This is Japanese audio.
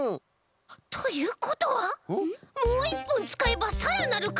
ということはもういっぽんつかえばさらなるかのうせいが！？